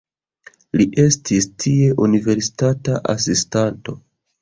Li estis tie universitata asistanto.